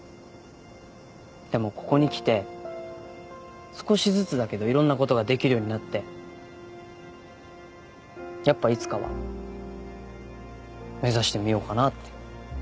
でもここに来て少しずつだけどいろんなことができるようになってやっぱいつかは目指してみようかなって。